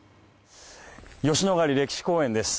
吉野ヶ里歴史公園です。